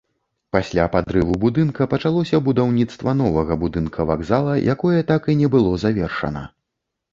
Пасля падрыву будынка пачалося будаўніцтва новага будынка вакзала, якое так і не было завершана.